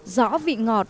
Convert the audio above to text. rõ vị ngọt